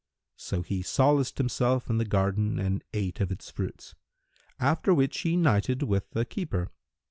So he solaced himself in the garden and ate of its fruits; after which he nighted with the keeper.